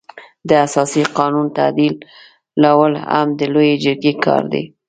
د اساسي قانون تعدیلول هم د لويې جرګې کار دی.